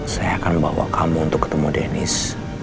saya akan bawa kamu untuk ketemu deniz